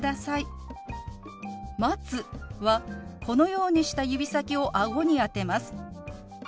「待つ」はこのようにした指先を顎に当てます。